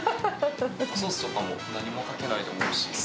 ソースとか何もかけなくてもおいしいです。